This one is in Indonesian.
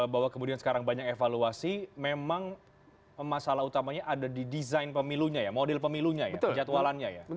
bahwa kemudian sekarang banyak evaluasi memang masalah utamanya ada di desain pemilunya ya model pemilunya ya kejatualannya ya